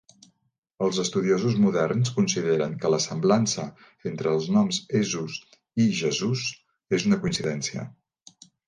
Els estudiosos moderns consideren que la semblança entre els noms "Esus" i "Jesús" és una coincidència.